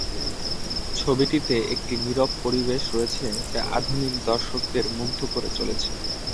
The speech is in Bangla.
ছবিটিতে একটি 'নীরব' পরিবেশ রয়েছে যা আধুনিক দর্শকদের মুগ্ধ করে চলেছে।